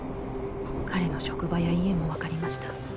彼の職場や家も分かりました